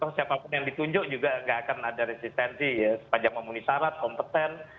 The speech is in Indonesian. atau siapapun yang ditunjuk juga nggak akan ada resistensi ya sepanjang memenuhi syarat kompeten